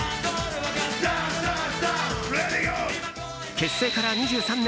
結成から２３年。